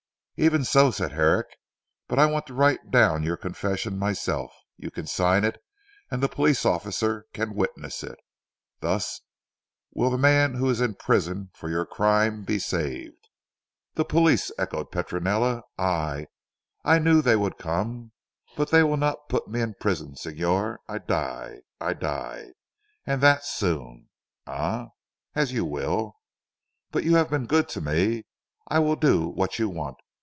"Even so," said Herrick, "but I want to write down your confession myself. You can sign it and the police officer can witness it. Thus, will the man who is in prison for your crime be saved." "The police," echoed Petronella, "ah, I knew they would come. But they will not put me in prison Signor. I die. I die, and that soon. Eh! as you will. You have been good to me. I will do what you want.